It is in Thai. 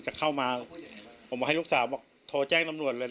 จะเข้ามาผมบอกให้ลูกสาวบอกโทรแจ้งตำรวจเลย